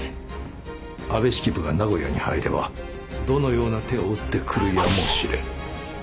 安部式部が名古屋に入ればどのような手を打ってくるやもしれぬ。